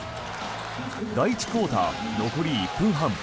第１クオーター、残り１分半。